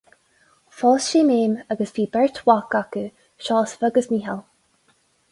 Phós sé Méim agus bhí beirt mhac acu, Seosamh agus Mícheál.